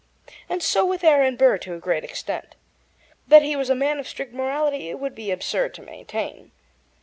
And so with Aaron Burr to a great extent. That he was a man of strict morality it would be absurd to maintain.